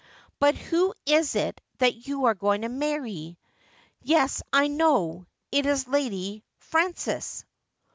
But who is it that you are going to marry \ Yes, I know. It is Lady Frances.'